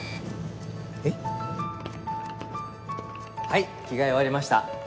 「はい着替え終わりました」